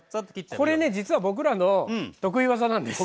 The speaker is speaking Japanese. これね実は僕らの得意技なんです。